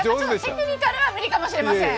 テクニカルは無理かもしれません。